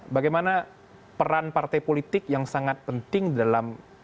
bagaimana peran partai politik yang sangat penting dalam